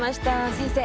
先生